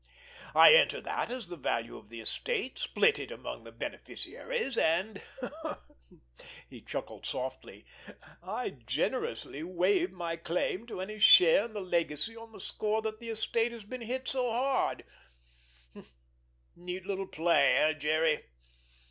I enter that as the value of the estate, split it up among the beneficiaries, and"—he chuckled softly—"I generously waive my claim to any share in the legacy on the score that the estate has been so hard hit. Neat little play, eh, Jerry?